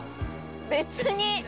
別に。